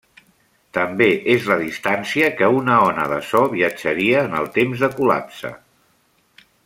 També és la distància que una ona de so viatjaria en el temps de col·lapse.